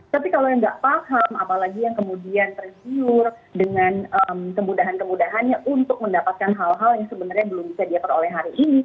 tapi kalau yang nggak paham apalagi yang kemudian tergiur dengan kemudahan kemudahannya untuk mendapatkan hal hal yang sebenarnya belum bisa dia peroleh hari ini